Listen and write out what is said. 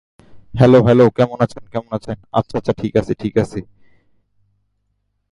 সম্ভাব্য কাঠামোর বিস্তৃত প্রতিবেদন তৈরি করা হয়েছে।